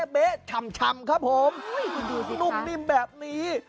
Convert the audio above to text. เบ๊ะชำครับผมดูสินุ่มนิ่มแบบนี้